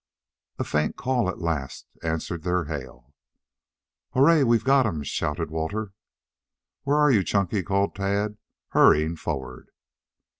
A faint call at last answered their hail. "Hooray! We've got him!" shouted Walter. "Where are you, Chunky?" called Tad, hurrying forward.